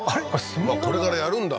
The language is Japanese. これからやるんだ？